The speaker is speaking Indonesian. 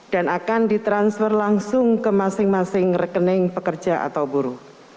dan akan ditransfer langsung ke masing masing rekening pekerja atau buruh